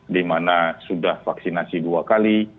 di mana sudah vaksinasi dua kali